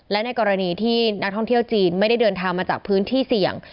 และในกรณีที่นักท่องเที่ยวจีนไม่ได้เดินทางมาจากพื้นที่เสี่ยง